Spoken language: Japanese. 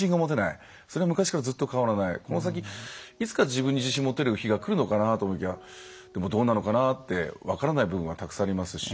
この先いつか自分に自信を持てる日がくるのかなと思いきやでもどうなのかなって分からない部分がたくさんありますし。